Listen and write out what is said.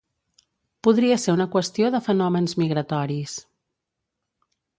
Podria ser una qüestió de fenòmens migratoris.